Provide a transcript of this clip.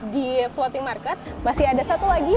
di floating market masih ada satu lagi